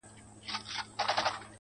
گراني چي ستا سره خبـري كوم.